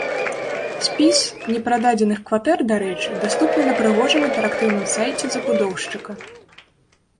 Спіс непрададзеных кватэр, дарэчы, даступны на прыгожым інтэрактыўным сайце забудоўшчыка.